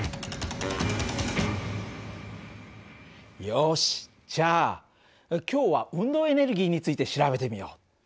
よしじゃあ今日は運動エネルギーについて調べてみよう。